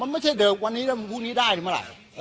ไม่ใช่เดิมวันนี้แล้วพรุ่งนี้ได้หรือเมื่อไหร่